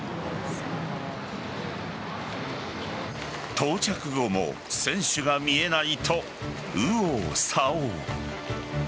到着後も選手が見えないと右往左往。